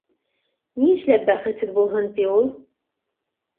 Ни эшләп бәхетһеҙ булһын ти ул?